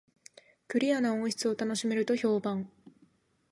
クリアな音質を楽しめると評判